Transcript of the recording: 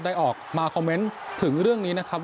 ได้ออกมาคอมเมนต์ถึงเรื่องนี้นะครับ